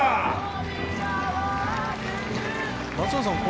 松坂さん